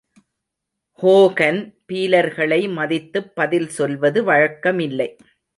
Hogan பீலர்களை மதித்துப் பதில் சொல்வது வழக்கமில்லை.